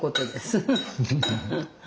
フフフフ。